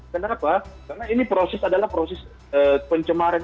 kenapa karena ini proses adalah proses pencemaran